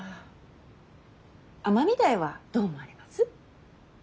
尼御台はどう思われます？